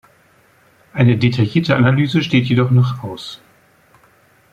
Eine detaillierte Analyse steht jedoch noch aus.